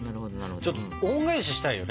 ちょっと恩返ししたいよね。